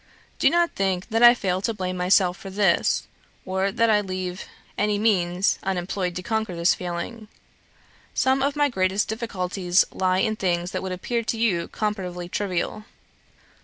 Do not think that I fail to blame myself for this, or that I leave any means unemployed to conquer this feeling. Some of my greatest difficulties lie in things that would appear to you comparatively trivial.